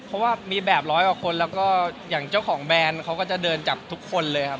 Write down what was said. เพราะว่ามีแบบร้อยกว่าคนแต่เจ้าของแบรนด์จะเดินจากทุกคนเลยครับ